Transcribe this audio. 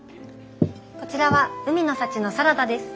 こちらは海の幸のサラダです。